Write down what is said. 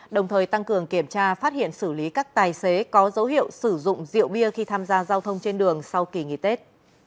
đồng thời tăng cường kiểm tra phát hiện xử lý các tài xế có dấu hiệu sử dụng rượu bia khi tham gia giao thông trên đường sau kỳ nghỉ tết